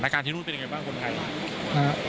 สถานการณ์ที่นู่นเป็นยังไงบ้างคนไทยบ้าง